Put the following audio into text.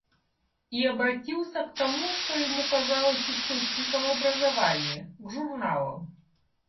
И обратился к тому, что ему казалось источником образования, — к журналам.